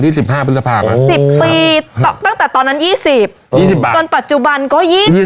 ตอนปัจจุบันก็๒๐